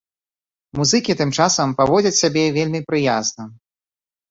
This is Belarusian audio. Музыкі тым часам паводзяць сябе вельмі прыязна.